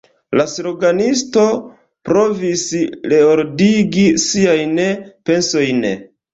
La sloganisto provis reordigi siajn pensojn.